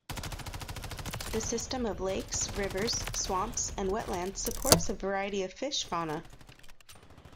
The system of lakes, rivers, swamps and wetlands supports a variety of fish fauna.